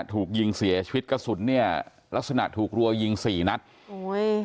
ถูกยิงเสียชีวิตกระสุนเนี่ยลักษณะถูกรัวยิงสี่นัดโอ้ย